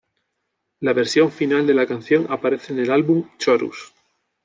La versión final de la canción aparece en el álbum Chorus.